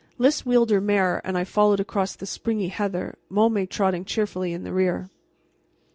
Lys wheeled her mare, and I followed across the springy heather, Môme trotting cheerfully in the rear.